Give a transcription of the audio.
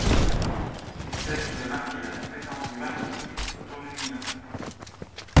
Il s’agit de marquer la compétence du marketing autour du client.